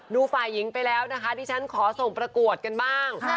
ฝ่ายหญิงไปแล้วนะคะดิฉันขอส่งประกวดกันบ้าง